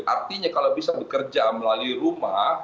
artinya kalau bisa bekerja melalui rumah